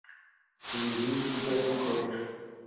serivisi z’abikorera